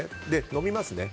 飲みますね。